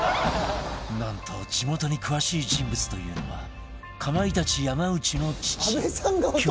なんと地元に詳しい人物というのはかまいたち山内の父恭さん